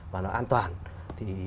và nó an toàn thì